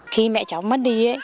khi mẹ cháu mất đi